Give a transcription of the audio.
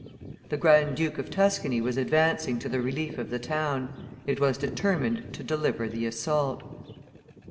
The Grand duke of Tuscany was advancing to the relief of the town; it was determined to deliver the assault.